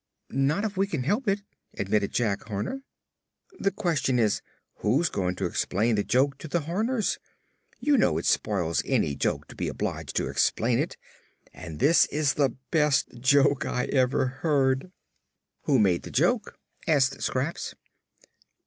"Not if we can help it," admitted Jak Horner. "The question is, who's going to explain the joke to the Horners? You know it spoils any joke to be obliged to explain it, and this is the best joke I ever heard." "Who made the joke?" asked Scraps.